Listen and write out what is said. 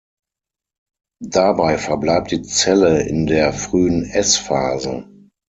Dabei verbleibt die Zelle in der frühen S-Phase.